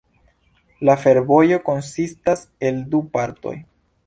La fervojo konsistas el du partoj.